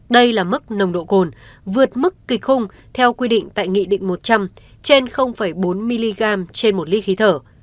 đây là mức nồng độ cồn vượt mức kịch khung theo quy định tại nghị định một trăm linh trên bốn mg trên một lít khí thở